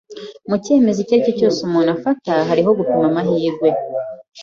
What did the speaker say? Mu cyemezo icyo ari cyo cyose umuntu afata hariho gupima amahitamo.